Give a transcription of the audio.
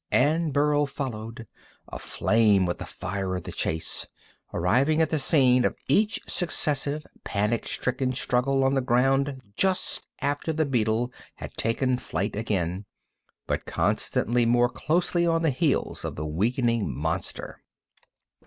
And Burl followed, aflame with the fire of the chase, arriving at the scene of each successive, panic stricken struggle on the ground just after the beetle had taken flight again, but constantly more closely on the heels of the weakening monster.